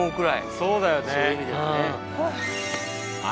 そうだよね。